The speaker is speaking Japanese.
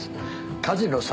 火事の際